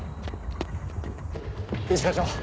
一課長